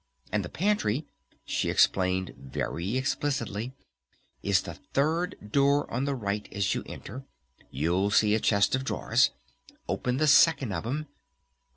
And the pantry," she explained very explicitly, "is the third door on the right as you enter.... You'll see a chest of drawers. Open the second of 'em....